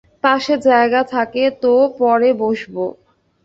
পাশে জায়গা থাকে তো পরে বসব।